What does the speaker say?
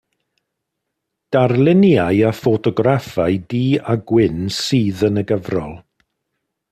Darluniau a ffotograffau du-a-gwyn sydd yn y gyfrol.